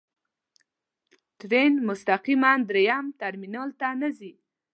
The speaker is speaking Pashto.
ټرین مستقیماً درېیم ټرمینل ته نه ځي.